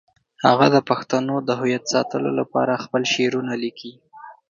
هغه د پښتنو د هویت ساتلو لپاره خپل شعرونه لیکل.